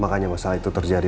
makanya masalah itu terjadi